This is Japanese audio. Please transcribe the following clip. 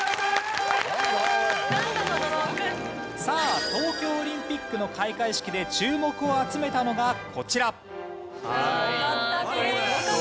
さあ東京オリンピックの開会式で注目を集めたのがこちら。